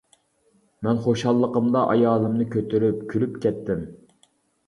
مەن خۇشاللىقىمدا ئايالىمنى كۆتۈرۈپ كۈلۈپ كەتتىم.